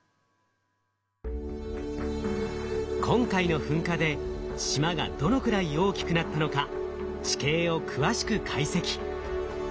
今回の噴火で島がどのくらい大きくなったのか地形を詳しく解析。